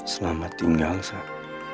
selamat tinggal sak